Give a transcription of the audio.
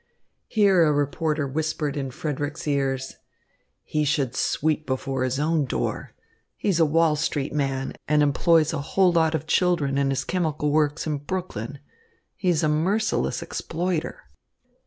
Here a reporter whispered in Frederick's ears: "He should sweep before his own door. He's a Wall Street man and employs a whole lot of children in his chemical works in Brooklyn. He is a merciless exploiter."